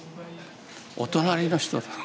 お隣の人だもん。